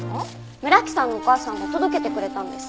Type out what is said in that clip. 村木さんのお母さんが届けてくれたんです。